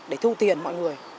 để thu tiền mọi người